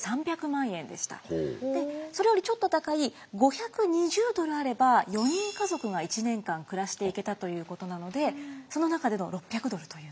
でそれよりちょっと高い５２０ドルあれば４人家族が１年間暮らしていけたということなのでその中での６００ドルというのはかなり。